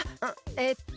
えっと。